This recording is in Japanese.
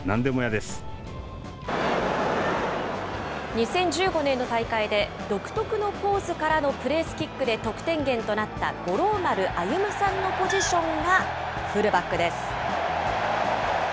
２０１５年の大会で、独特のポーズからのプレースキックで得点源となった五郎丸歩さんのポジションがフルバックです。